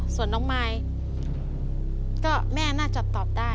ส่วนน้องมายก็แม่น่าจะตอบได้